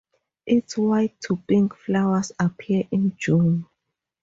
Its white to pink flowers appear in June.